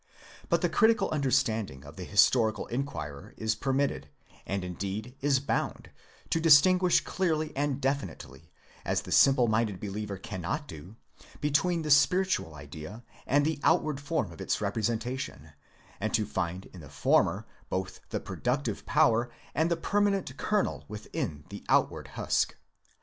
But the critical understanding of the historical inquirer is permitted, and indeed is bound, to distinguish clearly and defi nitely, as the simple minded believer cannot do, be tween the spiritual idea and the outward form of its representation, and to find in the former both the productive power and the permanent kernel within the outward husk.